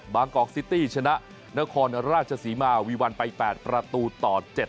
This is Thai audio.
กอกซิตี้ชนะนครราชศรีมาวีวันไป๘ประตูต่อ๗